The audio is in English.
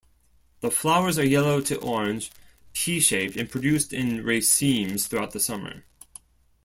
The flowers are yellow to orange, pea-shaped and produced in racemes throughout the summer.